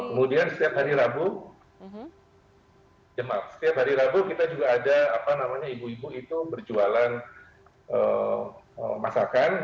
kemudian setiap hari rabu setiap hari rabu kita juga ada ibu ibu itu berjualan masakan